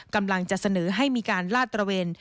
กำลังจะเสนอให้มีการลาดตระเวน